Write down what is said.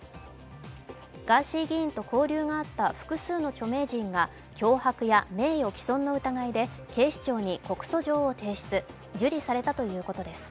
ガーシー議員と交流があった複数の著名人が脅迫や名誉毀損の疑いで警視庁に告訴状を提出、受理されたということです。